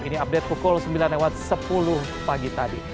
ini update pukul sembilan lewat sepuluh pagi tadi